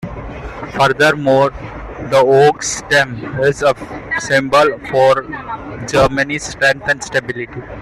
Furthermore, the oak's stem is a symbol for Germany's strength and stability.